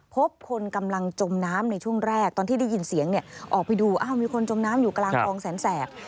พบคนกำลังจมน้ำในช่วงแรกตอนที่ได้ยินเสียงเนี่ยออกไปดูอ้าวมีคนจมน้ำอยู่กลางคลองแสนแสบ